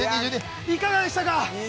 いかがでしたか？